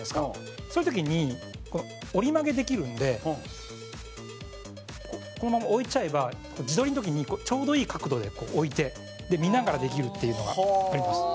そういう時に折り曲げできるんでこのまま置いちゃえば自撮りの時にちょうどいい角度で置いて見ながらできるっていうのがポイントです。